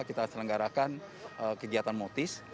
kita selenggarakan kegiatan motis